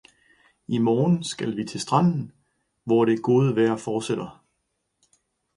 I morgen skal vi til stranden, hvis det gode vejr fortsætter.